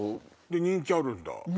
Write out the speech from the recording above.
人気あるんだ。